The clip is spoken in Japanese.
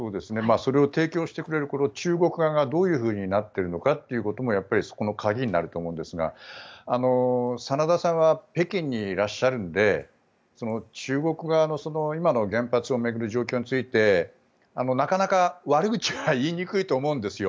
それを提供してくれる中国側がどういうふうになっているかというのがそこが鍵になると思うんですが真田さんは北京にいらっしゃるので中国側の今の原発を巡る状況についてなかなか悪口は言いにくいとは思うんですよ。